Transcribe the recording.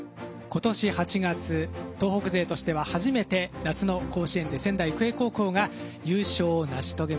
今年８月東北勢としては初めて夏の甲子園で仙台育英高校が優勝を成し遂げました。